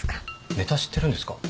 ネタ知ってるんですか？